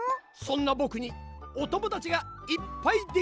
そんなぼくにおともだちがいっぱい